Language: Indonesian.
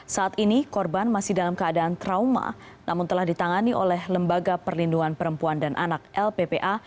saat ini korban masih dalam keadaan trauma namun telah ditangani oleh lembaga perlindungan perempuan dan anak lppa